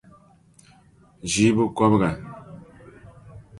ʒii bukɔbiga.